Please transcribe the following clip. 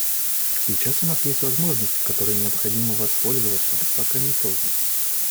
Сейчас у нас есть возможность, которой необходимо воспользоваться, пока не поздно.